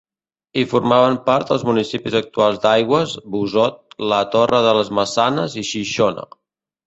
Hi formaven part els municipis actuals d'Aigües, Busot, La Torre de les Maçanes, i Xixona.